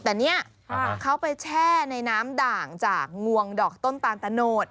แต่เนี่ยเขาไปแช่ในน้ำด่างจากงวงดอกต้นตาลตะโนด